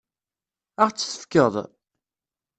Ad ɣ-tt-tefkeḍ?